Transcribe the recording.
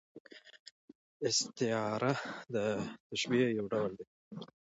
استعاره د تشبیه یو ډول دئ.